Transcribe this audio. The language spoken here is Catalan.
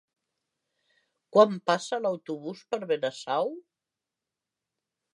Quan passa l'autobús per Benasau?